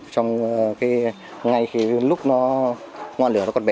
trong ngày lúc nó